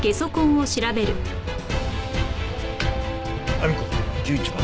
亜美くん１１番。